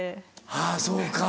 あぁそうか。